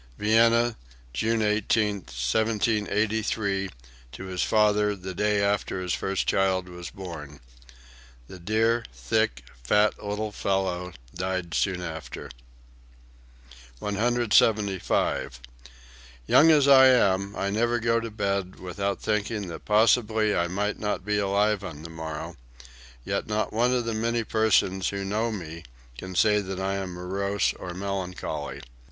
(Vienna, June 8, 1783, to his father, the day after his first child was born. The "Dear, thick, fat little fellow" died soon after.) 175. "Young as I am, I never go to bed without thinking that possibly I may not be alive on the morrow; yet not one of the many persons who know me can say that I am morose or melancholy.